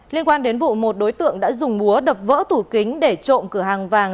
liên quan đến vụ một đối tượng đã dùng búa đập vỡ tủ kính để trộm cửa hàng vàng